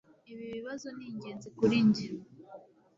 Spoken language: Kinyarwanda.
Ibi bibazo ni ingenzi kuri njye